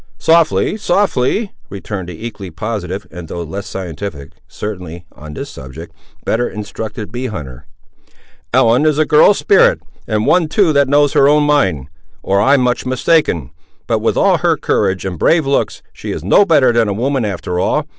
"Softly, softly," returned the equally positive, and, though less scientific, certainly, on this subject, better instructed bee hunter; "Ellen is a girl of spirit, and one too that knows her own mind, or I'm much mistaken; but with all her courage and brave looks, she is no better than a woman after all.